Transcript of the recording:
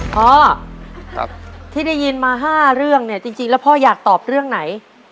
พ่อที่ได้ยินมา๕เรื่องเนี่ยจริงแล้วพ่ออยากตอบเรื่องไหน